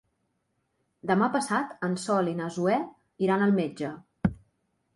Demà passat en Sol i na Zoè iran al metge.